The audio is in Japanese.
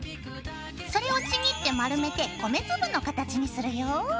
それをちぎって丸めて米粒の形にするよ。